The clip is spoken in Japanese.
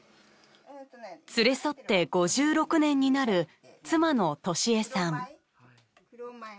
連れ添って５６年になる妻のトシエさん。